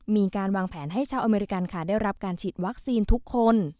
มีการวางแผนให้ชาวอเมริกันค่ะได้รับการฉีดวัคซีนทุกคน